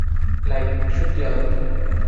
Like সত্যিই আলাদা মত।